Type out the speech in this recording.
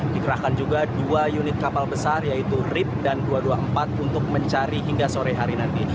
dikerahkan juga dua unit kapal besar yaitu rip dan dua ratus dua puluh empat untuk mencari hingga sore hari nanti